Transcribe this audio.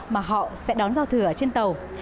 mà họ sẽ đón giao thừa ở trên tàu